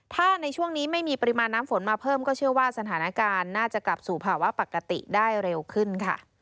ถ้าในช่วงนี้ไม่มีปริมาณน้ำฝนมาเพิ่มก็เชื่อว่าสถานการณ์น่าจะกลับสู่ภาวะปกติได้เร็วขึ้นค่ะ